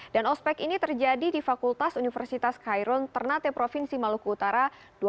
dan ospec ini terjadi di fakultas universitas khairul ternate provinsi maluku utara